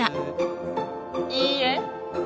いいえ。